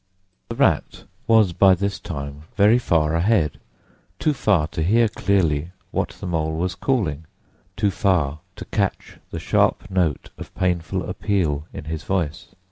The Rat was by this time very far ahead, too far to hear clearly what the Mole was calling, too far to catch the sharp note of painful appeal in his voice.